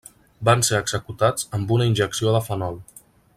Van ser executats amb una injecció de fenol.